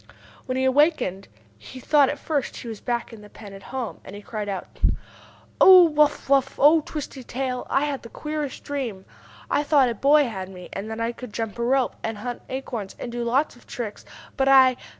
When he awakened, he thought at first he was back in the pen at home, and he cried out: "Oh, Wuff Wuff! Oh, Twisty Tail. I had the queerest dream! I thought a boy had me, and that I could jump a rope, and hunt acorns, and do lots of tricks. But I